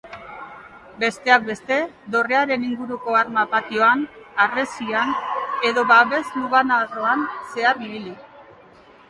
Besteak beste, dorrearen inguruko arma-patioan, harresian edo babes-lubanarroan zehar ibil daiteke.